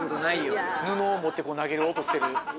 布を持って投げようとしてる。